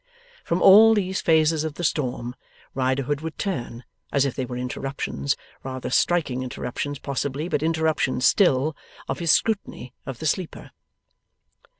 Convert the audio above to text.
From all these phases of the storm, Riderhood would turn, as if they were interruptions rather striking interruptions possibly, but interruptions still of his scrutiny of the sleeper.